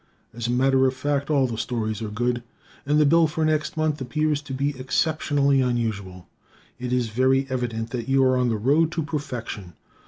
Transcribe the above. As a matter of fact, all the stories are good. And the bill for next month appears to be exceptionally unusual. It is very evident that you are on the road to perfection.